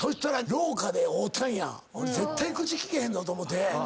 絶対口利けへんぞと思うて。